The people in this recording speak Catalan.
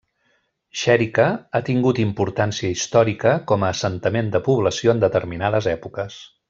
Xèrica ha tingut importància històrica com a assentament de població en determinades èpoques.